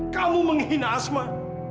kamu menghina asma